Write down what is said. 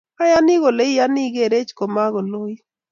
Ayani kole iyone igereech ko maloit